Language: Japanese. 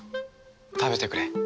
食べてくれ。